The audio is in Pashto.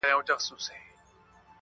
ښه خلک تل ارزښت لري.